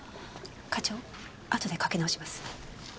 課長あとでかけ直します。